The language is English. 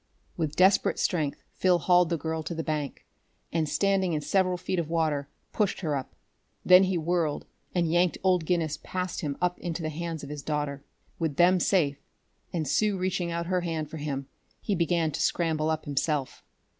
With desperate strength Phil hauled the girl to the bank and, standing in several feet of water, pushed her up. Then he whirled and yanked old Guinness past him up into the hands of his daughter. With them safe, and Sue reaching out her hand for him, he began to scramble up himself.